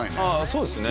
そうですね